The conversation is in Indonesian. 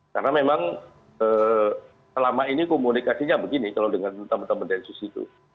karena memang selama ini komunikasinya begini kalau dengan teman teman desus itu